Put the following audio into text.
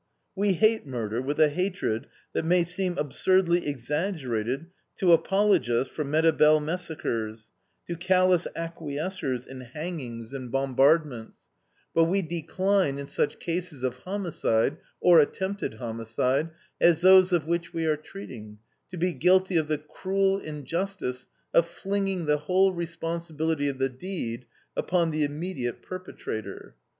We hate murder with a hatred that may seem absurdly exaggerated to apologists for Matabele massacres, to callous acquiescers in hangings and bombardments, but we decline in such cases of homicide, or attempted homicide, as those of which we are treating, to be guilty of the cruel injustice of flinging the whole responsibility of the deed upon the immediate perpetrator.